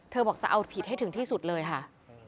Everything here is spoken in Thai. บอกจะเอาผิดให้ถึงที่สุดเลยค่ะ